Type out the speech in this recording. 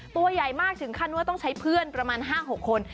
ตัวใหญ่มากถึงขั้นว่าต้องใช้เพื่อนประมาณ๕๖คน